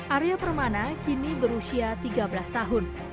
arya permana kini berusia tiga belas tahun